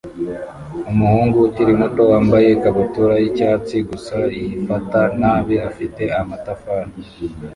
Umuhungu ukiri muto wambaye ikabutura yicyatsi gusa yifata nabi afite amatafari